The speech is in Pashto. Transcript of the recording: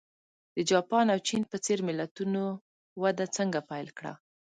د جاپان او چین په څېر ملتونو وده څنګه پیل کړه.